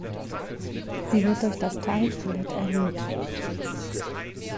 Sie wird durch das Teilskelett erhöht.